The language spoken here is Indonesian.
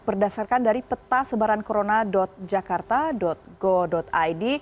berdasarkan dari petasebarankorona jakarta go id